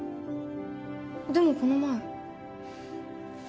でもこの前。